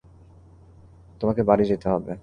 তোমাকে বাড়ি যেতে হবে।